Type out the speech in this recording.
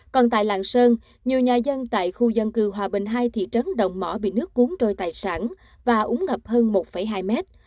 còn tại lạng sơn nhiều nhà dân tại khu dân cư hòa bình hai thị trấn đồng mõ bị nước cuốn trôi tài sản và úng ngập hơn một hai mét